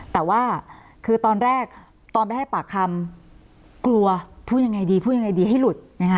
แต่ว่าคือตอนแรกตอนไปให้ปากคำกลัวพูดยังไงดีพูดยังไงดีให้หลุดนะคะ